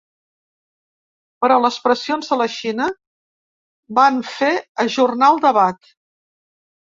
Però les pressions de la Xina van fer ajornar el debat.